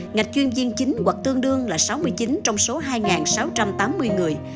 ngạch chuyên viên chính hoặc tương đương là sáu mươi chín trong số hai sáu trăm tám mươi người